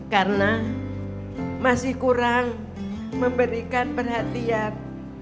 karena masih kurang memberikan perhatian